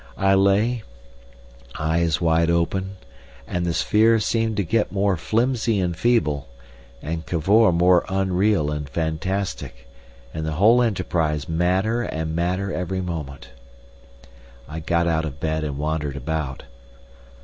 I lay, eyes wide open, and the sphere seemed to get more flimsy and feeble, and Cavor more unreal and fantastic, and the whole enterprise madder and madder every moment. I got out of bed and wandered about.